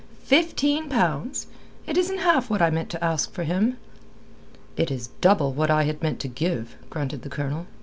"Fifteen pounds! It isn't half what I meant to ask for him." "It is double what I had meant to give," grunted the Colonel.